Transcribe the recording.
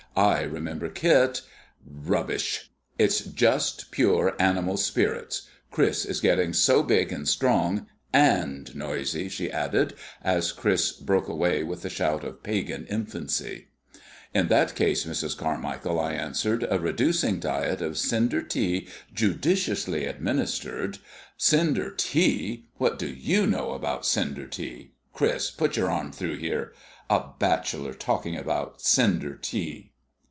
I remember Kit " "Rubbish! It's just pure animal spirits. Chris is getting so big and strong and noisy," she added, as Chris broke away with the shout of pagan infancy. "In that case, Mrs. Carmichael," I answered, "a reducing diet of cinder tea, judiciously administered " "Cinder tea? What do you know about cinder tea? Chris, put your arm through here a bachelor talking about cinder tea!"